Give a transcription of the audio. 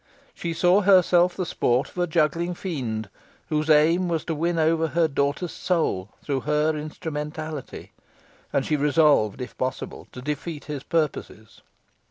She saw herself the sport of a juggling fiend, whose aim was to win over her daughter's soul through her instrumentality, and she resolved, if possible, to defeat his purposes.